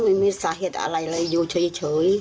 ไม่มีสาเหตุอะไรเลยอยู่เฉย